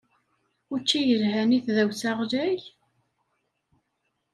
Učči yelhan i tdawsa ɣlay?